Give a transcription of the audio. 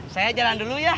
saya jalan dulu ya